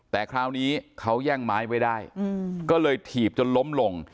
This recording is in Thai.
แต่คราวนี้เขาแย่งไม้ไว้ได้ก็เลยถีบจนล้มลง